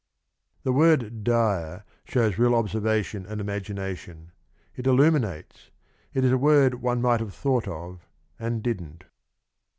The word ' dire ' shows real observation and imagination. It illuminates — it is the word one might have thought of and didn't.